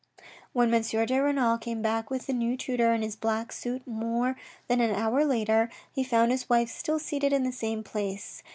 When M. de Renal came back with the new tutor in his black suit more than an hour later, he found his wife still seated in the same place.